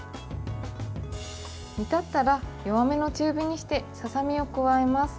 煮立ったら弱めの中火にしてささみを加えます。